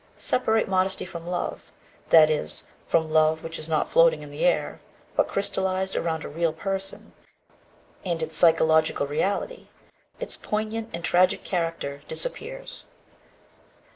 Separate modesty from love, that is, from love which is not floating in the air, but crystallized around a real person, and its psychological reality, its poignant and tragic character, disappears."